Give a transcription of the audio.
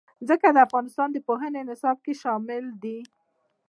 ځمکه د افغانستان د پوهنې نصاب کې شامل دي.